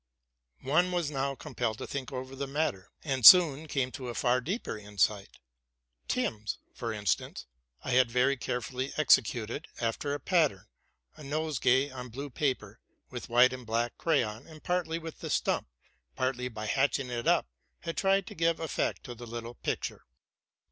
One was now compelled to think over the matter, and soon came to a far deeper insight. Thus, for instance, I had very carefully executed, after a pattern, a nosegay on blue paper, with white and black crayon, and partly with the stump, partly by hatching it up, had tried to give effect to the little picture.